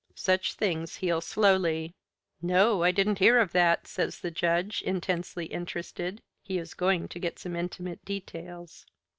Such things heal slowly." "No! I didn't hear of that," says the Judge, intensely interested. He is going to get some intimate details.